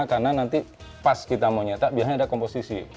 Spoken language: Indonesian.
karena nanti pas kita mau nyetak biar ada komposisi